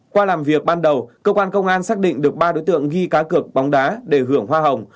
qua làm việc ban đầu cơ quan công an xác định được ba đối tượng ghi cá cược bóng đá để hưởng hoa hồng